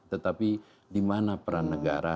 tetapi dimana peran negara